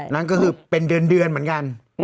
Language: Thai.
นั่นก็คือเป็นเดือนเหมือนกัน